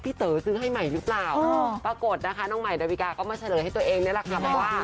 เต๋อซื้อให้ใหม่หรือเปล่าปรากฏนะคะน้องใหม่ดาวิกาก็มาเฉลยให้ตัวเองนี่แหละค่ะบอกว่า